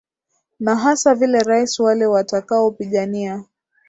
na hasa vile rais wale watakaopigania